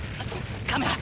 カメラ！